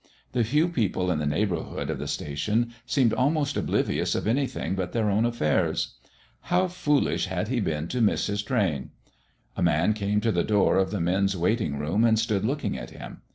The few people in the neighborhood of the station seemed almost oblivious of anything but their own affairs. How foolish had he been to miss his train. A man came to the door of the men's waiting room and stood looking at him.